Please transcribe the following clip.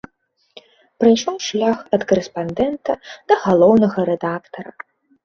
Прайшоў шлях ад карэспандэнта да галоўнага рэдактара.